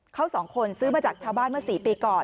เขาสองคนซื้อมาจากชาวบ้านเมื่อ๔ปีก่อน